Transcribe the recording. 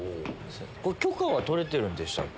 許可は取れてるんでしたっけ？